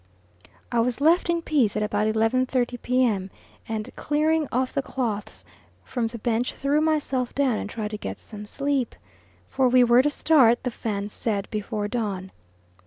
I was left in peace at about 11.30 P.M., and clearing off the clothes from the bench threw myself down and tried to get some sleep, for we were to start, the Fans said, before dawn.